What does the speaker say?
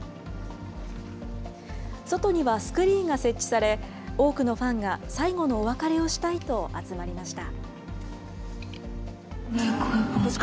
外にはスクリーンが設置され、多くのファンが最後のお別れをしたいと集まりました。